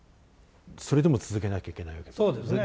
それでも続けなきゃいけないわけですよね？